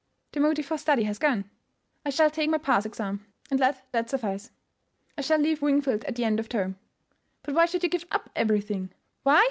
"The motive for study has gone. I shall take my pass exam., and let that suffice. I shall leave Wingfield at the end of term." "But why should you give up everything?" "Why?"